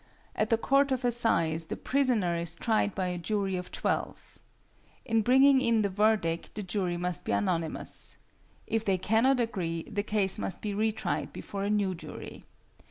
At the Court of Assize the prisoner is tried by a jury of twelve. In bringing in the verdict the jury must be unanimous. If they cannot agree, the case must be retried before a new jury.